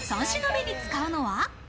３品目に使うのは。